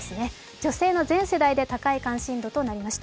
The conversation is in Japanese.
女性の全世代で高い関心度となりました。